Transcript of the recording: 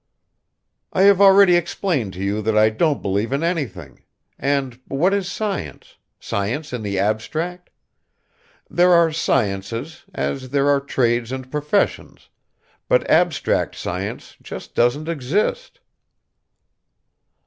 "I have already explained to you that I don't believe in anything; and what is science science in the abstract? There are sciences, as there are trades and professions, but abstract science just doesn't exist."